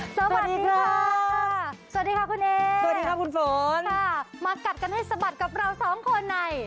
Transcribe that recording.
สวัสดีค่ะสวัสดีค่ะคุณเอสวัสดีค่ะคุณฝนค่ะมากัดกันให้สะบัดกับเราสองคนใน